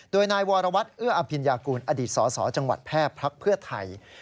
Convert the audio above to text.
โดยนายวตเอื้ออพิญญากุลอศจังหวัดแพร่ภักดิ์เพื่อไทย